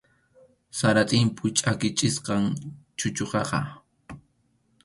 Sara tʼimpu chʼakichisqam chuchuqaqa.